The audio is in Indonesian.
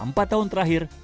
selama empat tahun terakhir